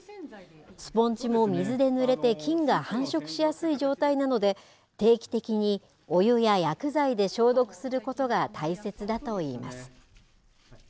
スポンジも水でぬれて菌が繁殖しやすい状態なので定期的にお湯や薬剤で消毒することが大切だと言います。